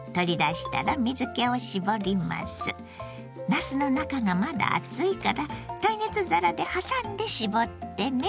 なすの中がまだ熱いから耐熱皿で挟んで絞ってね。